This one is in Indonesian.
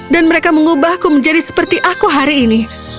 dan mereka mengubahku menjadi seperti aku hari ini